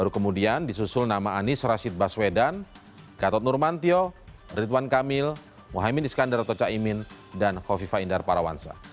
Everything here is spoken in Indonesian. baru kemudian disusul nama anies rashid baswedan gatot nurmantio ridwan kamil muhaymin iskandar atau caimin dan kofifa indar parawansa